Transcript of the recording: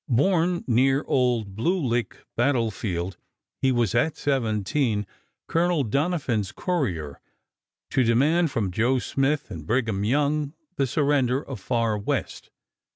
Born near the old Blue Lick battle field, he was at seventeen Colonel Doniphan's courier to demand from Joe Smith and Brigham Young the surrender of Farwest.